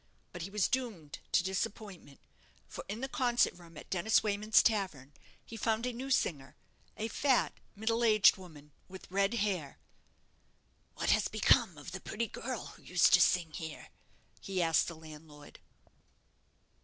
But he was doomed to disappointment; for in the concert room at Dennis Wayman's tavern he found a new singer a fat, middle aged woman, with red hair. "What has become of the pretty girl who used to sing here?" he asked the landlord.